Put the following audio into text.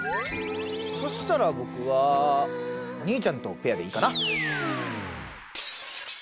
そしたら僕はお兄ちゃんとペアでいいかな。